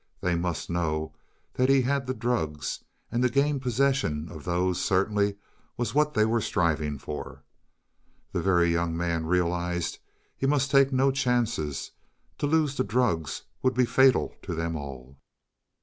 They must know he had the drugs, and to gain possession of those certainly was what they were striving for. The Very Young Man realized he must take no chances; to lose the drugs would be fatal to them all.